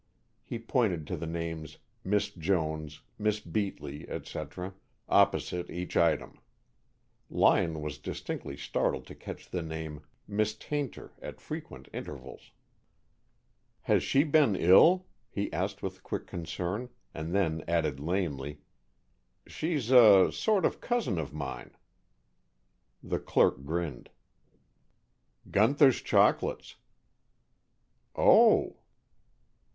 He pointed to the names "Miss Jones," "Miss Beatly," etc., opposite each item. Lyon was distinctly startled to catch the name "Miss Tayntor" at frequent intervals. "Has she been ill?" he asked with quick concern, and then added lamely, "She's a sort of cousin of mine." The clerk grinned. "Gunther's chocolates." "Oh!"